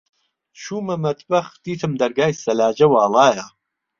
چوومە مەتبەخ، دیتم دەرگای سەلاجە واڵایە.